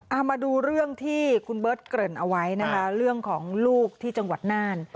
เอามาดูเรื่องที่คุณเบิร์ตเกริ่นเอาไว้นะคะเรื่องของลูกที่จังหวัดน่าน